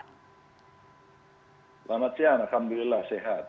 selamat siang alhamdulillah sehat